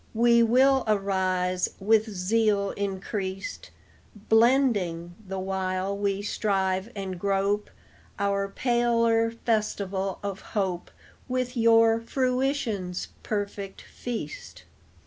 We will arise, with zeal increased, Blending, the while we strive and grope, Our paler festival of Hope With your Fruition's perfect feast.